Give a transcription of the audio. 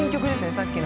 さっきの。